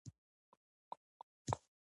جعلي ویډیو جوړونکي وضوح کموي.